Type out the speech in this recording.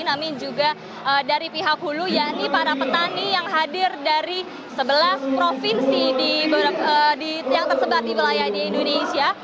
namanya juga dari pihak hulu ya ini para petani yang hadir dari sebelas provinsi yang tersebar di wilayah di indonesia